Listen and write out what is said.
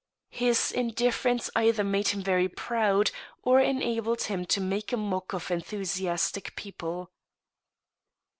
His indifference either made him very proud, or enabled him to make a mock of enthusiastic people.